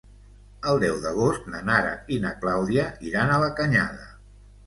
El deu d'agost na Nara i na Clàudia iran a la Canyada.